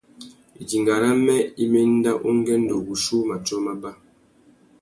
Idinga râmê i mà enda ungüêndô wuchiuwú matiō mábá.